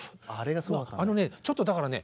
あのねちょっとだからね